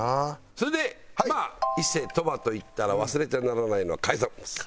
それで伊勢・鳥羽といったら忘れちゃならないのが海産物。